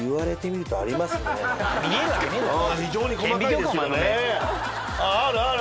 「見えるわけねえだろ」